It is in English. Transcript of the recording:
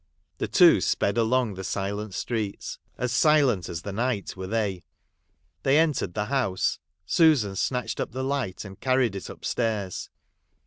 The two sped along the silent streets, — as silent as the night were they. They entered the house ; Susan snatched up the light, and carried it upstairs.